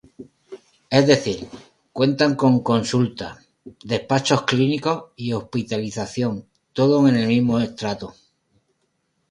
Es decir, cuentan con consulta, despachos clínicos y hospitalización, todo en el mismo estrato.